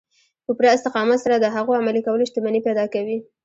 په پوره استقامت سره د هغو عملي کول شتمني پيدا کوي.